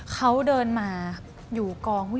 เขาเดินมาอยู่กอง